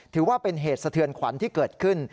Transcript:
ถือว่าเป็นเหตุสะเทือนขวัญที่เกิดขึ้น